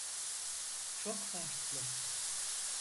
Çok farklı.